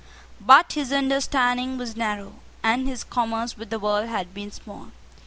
But his understanding was narrow; and his commerce with the world had been small.